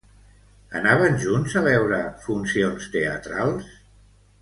Anaven junts a veure funcions teatrals?